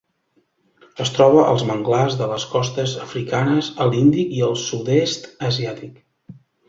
Es troba als manglars de les costes africanes, a l'Índic i al Sud-est asiàtic.